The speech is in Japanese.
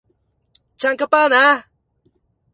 チャンカパーナ